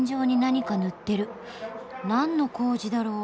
何の工事だろ？